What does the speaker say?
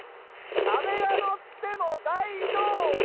阿部が乗っても大丈夫！